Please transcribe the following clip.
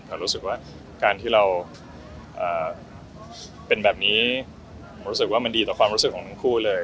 แต่รู้สึกว่าการที่เราเป็นแบบนี้ผมรู้สึกว่ามันดีต่อความรู้สึกของทั้งคู่เลย